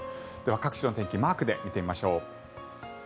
各地の天気マークで見てみましょう。